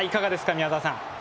宮澤さん。